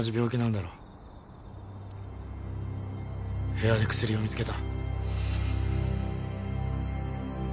部屋で薬を見つけた。